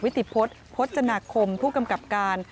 ติพฤษพจนาคมผู้กำกับการ